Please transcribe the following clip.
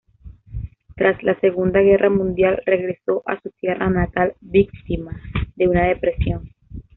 Tras la Segunda Guerra Mundial regresó a su tierra natal víctima de una depresión.